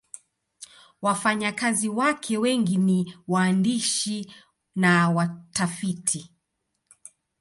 Wafanyakazi wake wengi ni waandishi na watafiti.